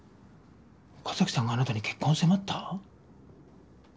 岡崎さんがあなたに結婚を迫った？